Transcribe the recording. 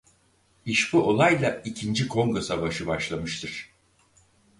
İşbu olayla İkinci Kongo Savaşı başlamıştır.